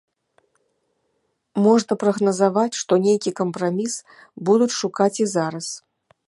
Можна прагназаваць, што нейкі кампраміс будуць шукаць і зараз.